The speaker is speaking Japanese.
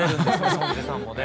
ソンジェさんもね。